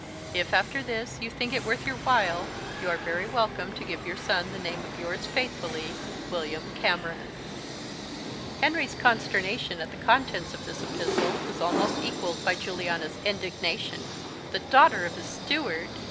If, after this, you think it worth your while, you are very welcome to give your son the name of yours faithfully, WILLIAM CAMERON." Henry's consternation at the contents of this epistle was almost equalled by Juliana's indignation. "The daughter of a steward!